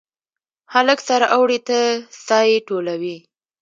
هلک سره اوړي ته سایې ټولوي